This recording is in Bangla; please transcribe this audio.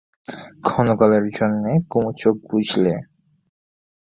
ক্ষণকালের জন্যে কুমু চোখ বুজলে।